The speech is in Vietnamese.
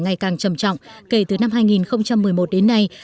ngày càng trầm trọng kể từ năm hai nghìn một mươi một đến nay